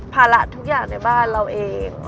ภาระทุกอย่างในบ้านเราเอง